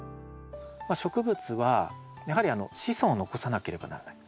植物はやはり子孫を残さなければならない。